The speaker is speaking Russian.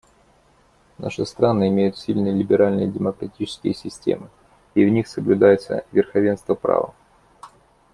Наши страны имеют сильные либеральные демократические системы, и в них соблюдается верховенство права.